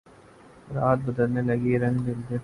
رت بدلنے لگی رنگ دل دیکھنا رنگ گلشن سے اب حال کھلتا نہیں